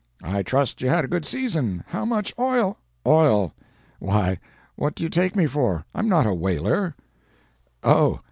I trust you had a good season. How much oil " "Oil! Why, what do you take me for? I'm not a whaler." "Oh!